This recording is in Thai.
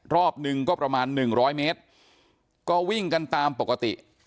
รอบหนึ่งก็ประมาณ๑๐๐เมตรก็วิ่งกันตามปกติ